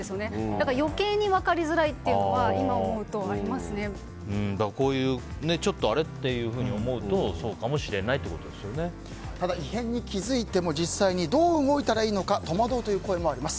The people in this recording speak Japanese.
だから、余計に分かりづらいというのもこういう、ちょっとあれ？って思うとそうかもしれない異変に気づいても実際にどう動いたらいいのか戸惑う声もあります。